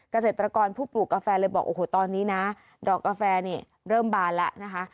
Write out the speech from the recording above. เกษตรกรผู้ปลูกกาแฟเลยบอกโอ้โหตอนนี้นะดอกกาแฟนี่เริ่มบานแล้วนะคะ